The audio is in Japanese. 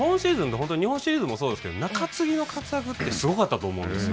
本当に日本シリーズもそうですけど中継ぎの活躍ってすごかったと思うんですよ。